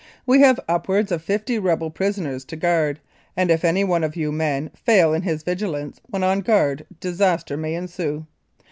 We have upwards of fifty rebel prisoners to guard, and if any one of you men fail in his vigilance when on guard disaster may ensue.